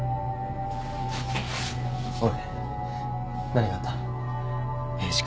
おい何があった？